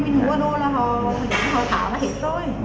mình mua đồ là họ họ tháo ra hết rồi